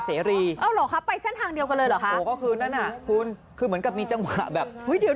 เดี๋ยวนี่ตามหลังกันเลยเหรอครับ